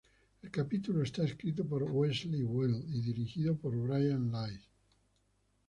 El capítulo está escrito por Wellesley Wild y dirigido por Brian Iles.